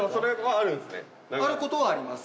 あることはあります。